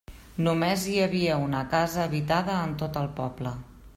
Només hi havia una casa habitada en tot el poble.